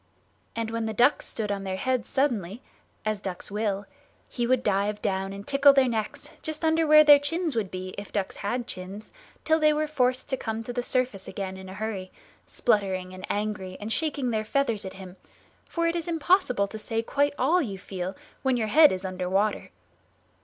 And when the ducks stood on their heads suddenly, as ducks will, he would dive down and tickle their necks, just under where their chins would be if ducks had chins, till they were forced to come to the surface again in a hurry, spluttering and angry and shaking their feathers at him, for it is impossible to say quite all you feel when your head is under water.